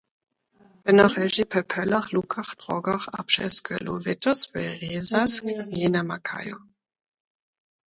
Wóna chójźi pó pólach, łukach, drogach a pśez gólu, weto swój rjeśazk njenamakajo.